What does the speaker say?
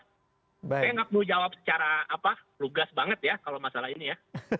saya nggak perlu jawab secara lugas banget ya kalau masalah ini ya